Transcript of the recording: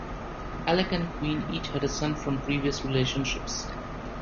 Alec and Queen each had a son from previous relationships.